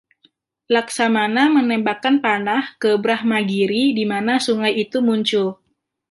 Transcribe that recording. Lakshmana menembakkan panah ke Brahmagiri dimana sungai itu muncul.